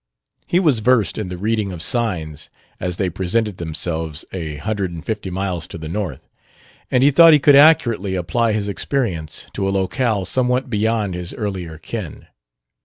He was versed in the reading of signs as they presented themselves a hundred and fifty miles to the north, and he thought he could accurately apply his experience to a locale somewhat beyond his earlier ken.